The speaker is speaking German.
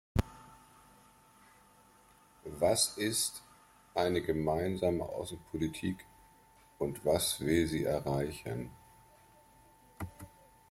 Was ist eine gemeinsame Außenpolitik, und was will sie erreichen?